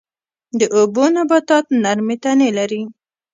د اوبو نباتات نرمې تنې لري